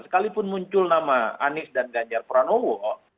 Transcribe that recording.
sekalipun muncul nama anies dan ganjar pranowo